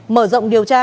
mở rộng điều tra